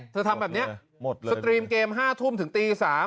ทำแบบนี้สตรีมเกม๕ทุ่มถึงตี๓